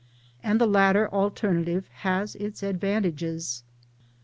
And the latter alternative has its advantages.